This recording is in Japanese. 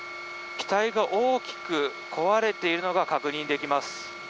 機体が大きく壊れているのが確認できます。